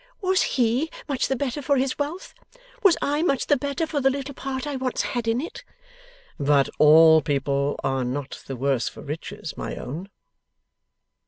Was he much the better for his wealth? Was I much the better for the little part I once had in it?' 'But all people are not the worse for riches, my own.